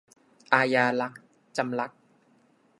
อาญารัก - จำลักษณ์